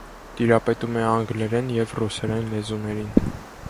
Տիրապետում է անգլերեն և ռուսերեն լեզուներին։